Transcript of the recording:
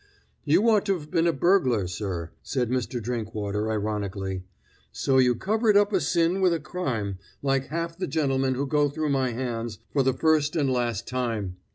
"You ought to have been a burglar, sir," said Mr. Drinkwater ironically. "So you covered up a sin with a crime, like half the gentlemen who go through my hands for the first and last time!